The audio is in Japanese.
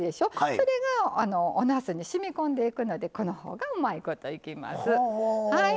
それがおなすにしみこんでいくのでこのほうが、うまいこといきます。